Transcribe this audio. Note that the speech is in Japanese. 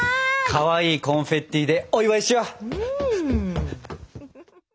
かわいいコンフェッティでお祝いしよう！